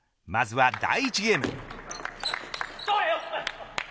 まずは第１ゲーム。